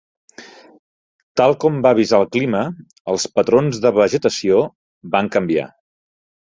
Tal com va avisar el clima, els patrons de vegetació van canviar.